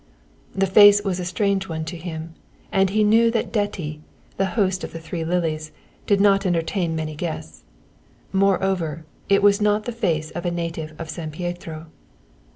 The face was a strange one to him, and he knew that Detti, the host of the Three Lilies, did not entertain many guests. Moreover, it was not the face of a native of San Pietro.